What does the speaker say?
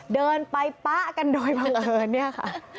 เดินไปป๊ะกันโดยบังเอิญเนี่ยค่ะ